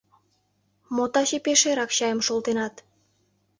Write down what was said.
— Мо таче пеш эрак чайым шолтенат?